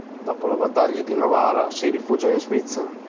Dopo la battaglia di Novara si rifugiò in Svizzera.